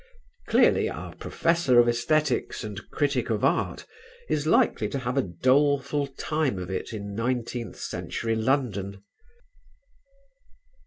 Clearly our "Professor of Æsthetics and Critic of Art" is likely to have a doleful time of it in nineteenth century London.